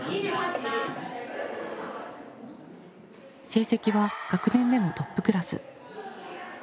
成績は学年でもトップクラス。